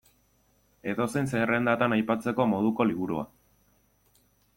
Edozein zerrendatan aipatzeko moduko liburua.